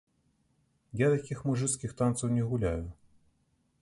Я такіх мужыцкіх танцаў не гуляю.